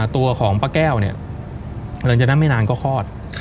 ตัวของป้าแก้วเนี่ยหลังจากนั้นไม่นานก็คลอด